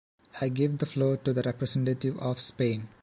I give the floor to the representative of Spain.